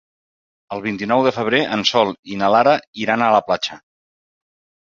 El vint-i-nou de febrer en Sol i na Lara iran a la platja.